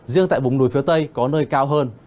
riêng tại vùng núi phía tây có nơi cao hơn